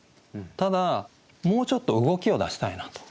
ただもうちょっと動きを出したいなと。